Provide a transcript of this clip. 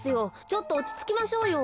ちょっとおちつきましょうよ。